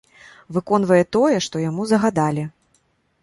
Выконвае тое, што яму загадалі.